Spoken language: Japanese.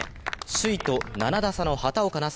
首位と７打差の畑岡奈